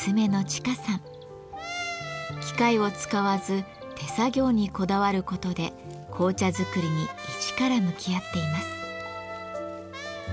機械を使わず手作業にこだわることで紅茶作りに一から向き合っています。